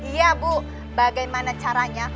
iya bu bagaimana caranya